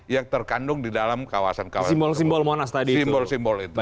yang terkandung di dalam kawasan kawasan simbol simbol monas tadi simbol simbol itu